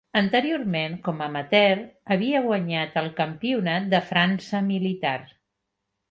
Anteriorment, com a amateur, havia guanyat el Campionat de França militar.